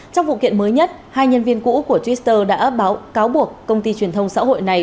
trong vụ kiện mới nhất hai nhân viên cũ của twitter đã báo cáo buộc công ty truyền thông xã hội này